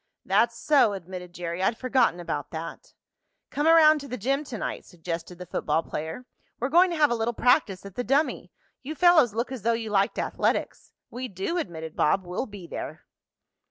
"That's so," admitted Jerry. "I'd forgotten about that." "Come around to the gym to night," suggested the football player. "We're going to have a little practice at the dummy. You fellows look as though you liked athletics." "We do," admitted Bob. "We'll be there."